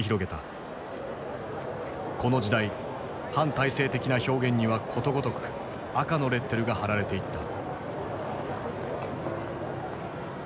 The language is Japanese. この時代反体制的な表現にはことごとく「赤」のレッテルが貼られていった。